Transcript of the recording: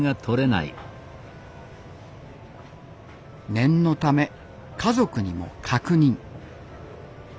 念のため家族にも確認。